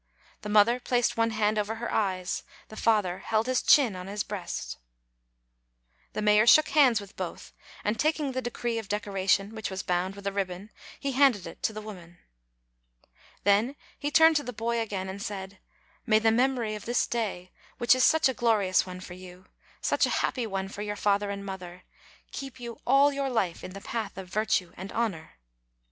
The mother placed one hand over her eyes ; the father held his chin on his breast. The mayor shook hands with both; and taking the decree of decoration, which was bound with a ribbon, he handed it to the woman. Then he turned to the boy again, and said: "May the memory of this day, which is such a glorious one for you, such a happy one for your father and mother, keep you all your life in the path of virtue and honor!